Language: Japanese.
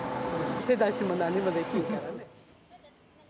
手出しも何もできんからね。